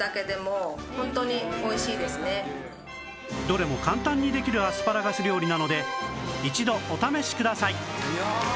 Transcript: どれも簡単にできるアスパラガス料理なので一度お試しください